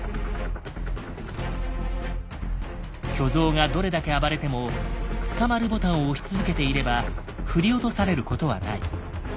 巨像がどれだけ暴れても「つかまるボタン」を押し続けていれば振り落とされることはない。